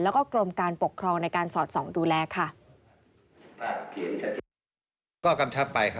แล้วก็กรมการปกครองในการสอดส่องดูแลค่ะ